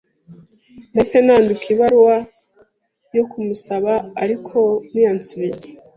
Nahise nandika ibaruwa yo kumubaza, ariko ntiyansubiza.